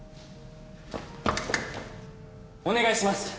お願いします！